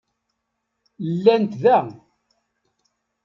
Llant da.